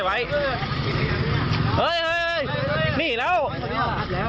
หนีแล้ว